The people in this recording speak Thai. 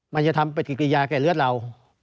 มันจะทำเป็นกี่กี่ยาแก่เลือดเรา